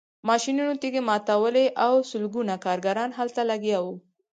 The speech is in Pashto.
ماشینونو تیږې ماتولې او سلګونه کارګران هلته لګیا وو